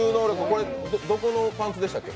これ、どこのパンツでしたっけ。